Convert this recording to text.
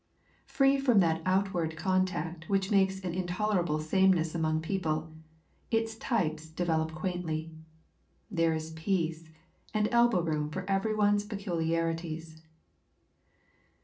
Free from that outward contact which makes an intolerable sameness among people, its types develop quaintly. There is peace, and elbow room for everybody's peculiarities.